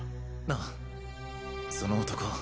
ああその男